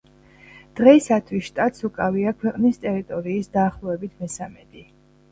დღეისათვის შტატს უკავია ქვეყნის ტერიტორიის დაახლოებით მესამედი.